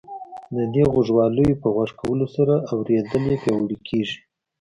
د دې غوږوالیو په غوږ کولو سره اورېدل یې پیاوړي کیږي.